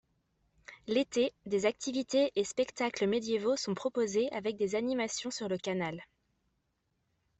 L'été, des activités et spectacles médiévaux sont proposés avec des animations sur le canal.